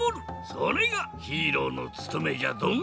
それがヒーローのつとめじゃドン！